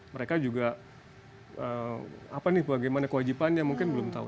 mereka juga apa nih bagaimana kewajibannya mungkin belum tahu